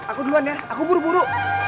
aku duluan ya aku buru buru